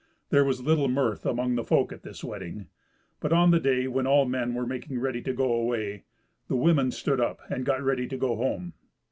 There was little mirth among folk at this wedding. But on the day when all men were making ready to go away the women stood up and got ready to go home.